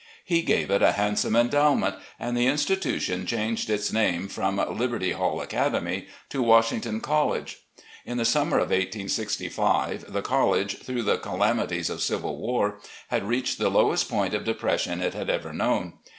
He gave it a hand 179 i8o RECOLLECTIONS OF GENERAL LEE some endowment, and the institution changed its name from "Liberty Hall Academy" to Washington College. In the summer of 1865, the college, through the calamities of civil war, had reached the lowest point of depression it had ever known.